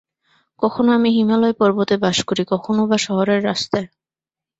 কখনও আমি হিমালয় পর্বতে বাস করি, কখনও বা শহরের রাস্তায়।